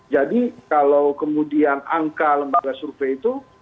jadi kalau kemudian angka lembaga survei itu